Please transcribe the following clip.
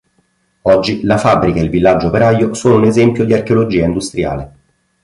Oggi la fabbrica e il villaggio operaio sono un esempio di archeologia industriale.